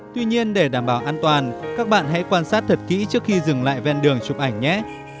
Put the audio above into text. tuy nhiên để đảm bảo an toàn các bạn hãy quan sát thật kỹ trước khi dừng lại ven đường chụp ảnh nhé